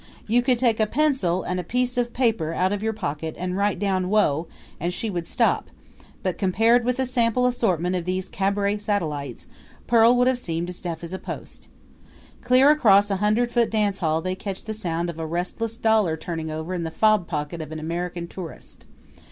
You could take a pencil and a piece of paper out of your pocket and write down Whoa! and she would stop; but, compared with a sample assortment of these cabaret satellites, Pearl would have seemed deaf as a post. Clear across a hundred foot dance hall they catch the sound of a restless dollar turning over in the fob pocket of an American tourist.